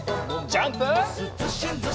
ジャンプ！